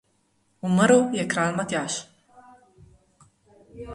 Umrl je kralj Matjaž!